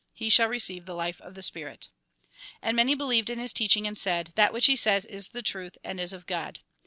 He shall receive the life of the spirit." And many believed in his teaching, and said :" That which he says is the truth and is of God."